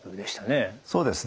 そうですね。